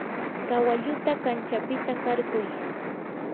kawalluta kanchapita qarquy.